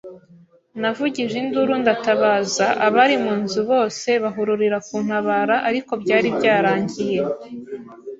Navugije induru ndatabaza, abari mu nzu bose bahururira kuntabara ariko byari byarangiye.